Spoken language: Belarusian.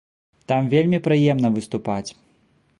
Там вельмі прыемна выступаць.